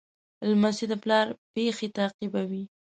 لمسی د پلار پېښې تعقیبوي.